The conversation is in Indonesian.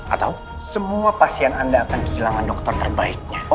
atau semua pasien anda akan kehilangan dokter terbaiknya